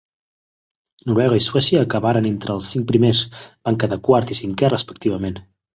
Noruega i Suècia acabaren entre els cinc primers: van quedar quart i cinquè respectivament.